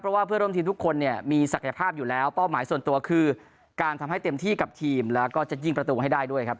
เพราะว่าเพื่อนร่วมทีมทุกคนเนี่ยมีศักยภาพอยู่แล้วเป้าหมายส่วนตัวคือการทำให้เต็มที่กับทีมแล้วก็จะยิงประตูให้ได้ด้วยครับ